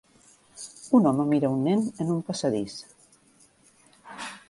Un home mira un nen en un passadís.